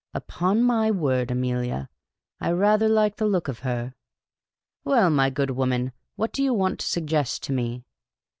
" Upon my word, Amelia, I rather like the look of her. Well, my good woman, what do you want to' suggest to me?"